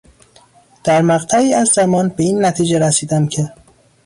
در مقطعی از زمان به این نتیجه رسیدم که